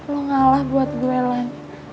lo ngalah buat gue lan